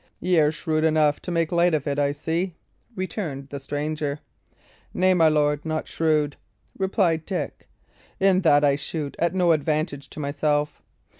"Y' are shrewd enough to make light of it, I see," returned the stranger. "Nay, my lord, not shrewd," replied Dick, "in that I shoot at no advantage to myself.